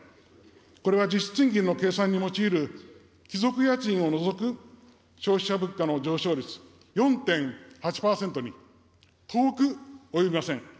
これは実質賃金の計算に用いる帰属家賃を除く消費者物価の上昇率４．８％に遠く及びません。